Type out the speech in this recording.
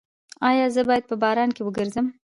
ایا زه باید په باران کې وګرځم؟